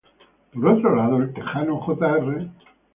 Por otro lado, El Texano Jr.